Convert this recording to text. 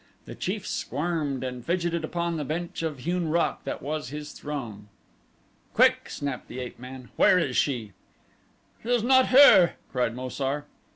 The chief squirmed and fidgeted upon the bench of hewn rock that was his throne. "Quick," snapped the ape man, "Where is she?" "She is not here," cried Mo sar.